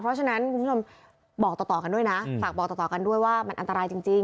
เพราะฉะนั้นคุณผู้ชมบอกต่อกันด้วยนะฝากบอกต่อกันด้วยว่ามันอันตรายจริง